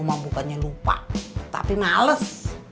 kamu mampukannya lupa tapi males